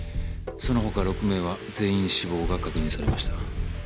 その他６名は全員死亡が確認されました。